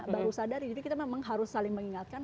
baru sadari jadi kita memang harus saling mengingatkan